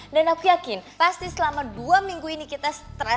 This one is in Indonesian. dan aku yakin pasti selama dua minggu ini kita stress